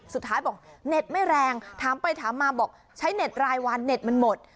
สุดท้ายบอกเน็ตไม่แรงถามไปถามมาบอกใช้เน็ตรายวันเน็ตมันหมด